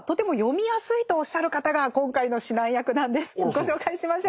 ご紹介しましょう。